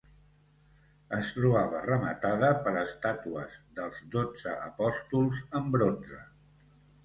Es trobava rematada per estàtues dels dotze apòstols en bronze.